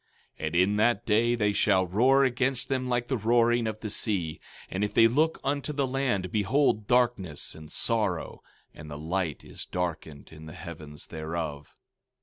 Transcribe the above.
15:30 And in that day they shall roar against them like the roaring of the sea; and if they look unto the land, behold, darkness and sorrow, and the light is darkened in the heavens thereof.